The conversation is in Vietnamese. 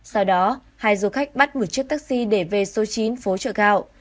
sau đó hai du khách bắt một chiếc taxi để về số chín phố trợ cạo